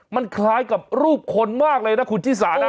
มันคล้ายกับรูปคนมากเลยนะคุณชิสานะ